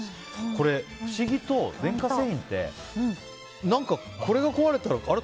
これ、不思議と電化製品ってこれが壊れたら、あれ？